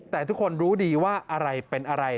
แต่ทุกคนรู้ดีว่าอะไรเป็นอะไร